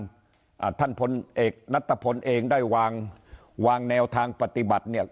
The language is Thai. อ่าท่านพลเอกนัตตะพลเองได้วางวางแนวทางปฏิบัติเนี่ย